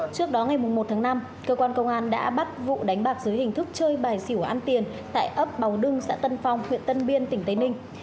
trước đó ngày một tháng năm cơ quan công an đã bắt vụ đánh bạc dưới hình thức chơi bài xỉu ăn tiền tại ấp bào đưng xã tân phong huyện tân biên tỉnh tây ninh